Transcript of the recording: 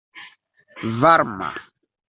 varma